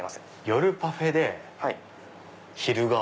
夜パフェで昼顔。